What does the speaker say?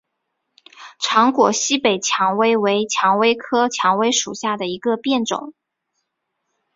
长果西北蔷薇为蔷薇科蔷薇属下的一个变种。